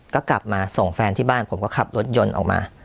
ก็กลับมาส่งแฟนที่บ้านผมก็ขับรถยนต์ออกมา